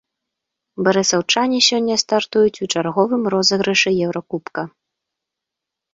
Барысаўчане сёння стартуюць у чарговым розыгрышы еўракубка.